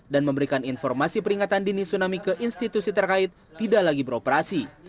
dan memberikan informasi peringatan dini tsunami ke institusi terkait tidak lagi beroperasi